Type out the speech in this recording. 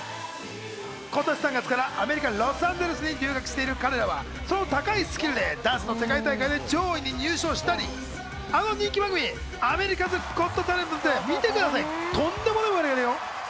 今年３月からアメリカ・ロサンゼルスに留学している彼らはその高いスキルでダンスの世界大会で上位に入賞したり、あの人気番組『アメリカズ・ゴット・タレント』で見てください、とんでもない。